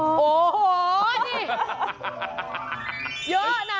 โอ้โหนี่เยอะนะ